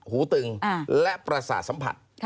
หูตึงและประสาทสัมผัส